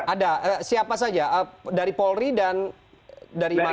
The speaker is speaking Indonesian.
ada siapa saja dari polri dan dari mana